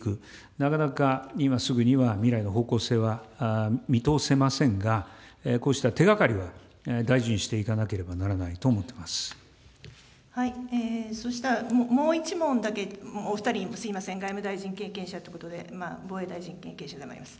なかなか今すぐには、未来の方向性は見通せませんが、こうした手がかりは大事にしていかなければならないと思っていまそしたら、もう１問だけ、お２人に、すみません、外務大臣経験者ということで、防衛大臣経験者でもあります。